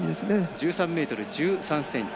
１３ｍ１３ｃｍ。